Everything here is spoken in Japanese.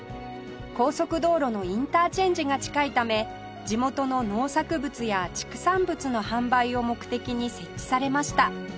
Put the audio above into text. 高速道路のインターチェンジが近いため地元の農作物や畜産物の販売を目的に設置されました